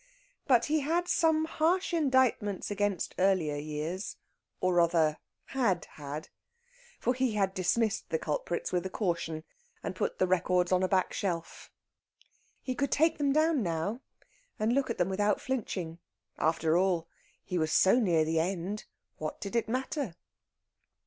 But he had some harsh indictments against earlier years or rather had had. For he had dismissed the culprits with a caution, and put the records on a back shelf. He could take them down now and look at them without flinching. After all, he was so near the end! What did it matter?